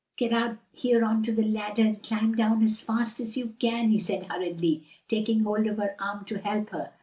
"Get out here on to the ladder and climb down as fast as you can," he said hurriedly, taking hold of her arm to help her.